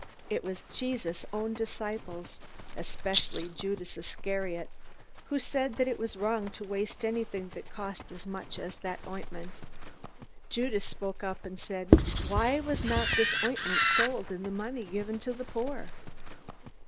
It was Jesus' own disciples, especially Judas Iscariot, who said that it was wrong to waste anything that cost as much as the ointment. Judas spoke up and said, "Why was not this ointment sold, and the money given to the poor?"